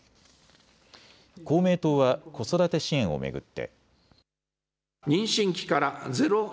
公明党は子育て支援を巡って。